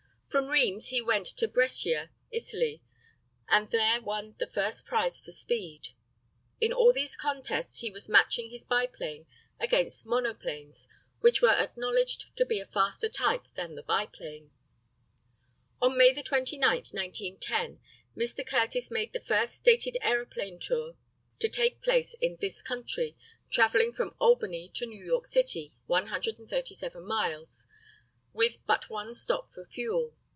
From Rheims he went to Brescia, Italy, and there won the first prize for speed. In all these contests he was matching his biplane against monoplanes which were acknowledged to be a faster type than the biplane. On May 29, 1910, Mr. Curtiss made the first stated aeroplane tour to take place in this country, travelling from Albany to New York City, 137 miles, with but one stop for fuel.